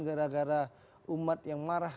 gara gara umat yang marah